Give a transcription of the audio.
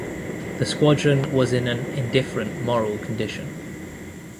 The squadron was in an indifferent moral condition.